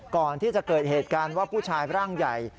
ก่อนที่จะเกิดเหตุการณ์ว่าผู้ชายร่างใหญ่